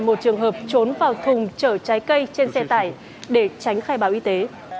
một trường hợp trốn vào thùng chở trái cây trên xe tải để tránh khai báo y tế